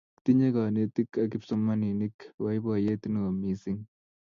Kitinnye kanetik ak kipsomaninik boiboyet neo mising